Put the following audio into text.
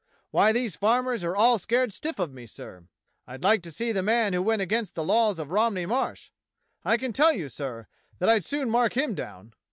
Why, these farmers are all scared stiff of me, sir. I'd like to see the man who went against the laws of Romney Marsh. I can tell you, sir, that I'd soon mark him down."